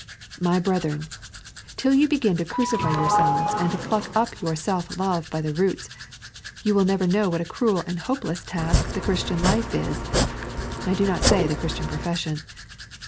My brethren, till you begin to crucify yourselves and to pluck up your self love by the roots, you will never know what a cruel and hopeless task the Christian life is I do not say the Christian profession.